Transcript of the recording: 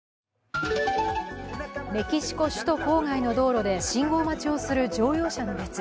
メキシコ首都郊外の道路で信号待ちをする乗用車の列。